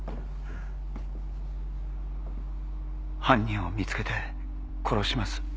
犯人を見つけて殺します。